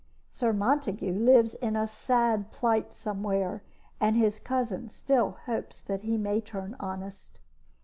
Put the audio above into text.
Sir Montague lives in a sad plight somewhere, and his cousin still hopes that he may turn honest.